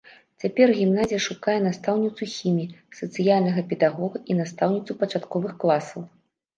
Цяпер гімназія шукае настаўніцу хіміі, сацыяльнага педагога і настаўніцу пачатковых класаў.